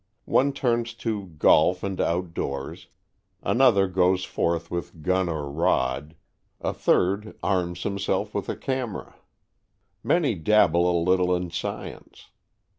One turns to golf and outdoors, another goes forth with gun or rod, a third arms himself with a camera. Many dabble a little in science.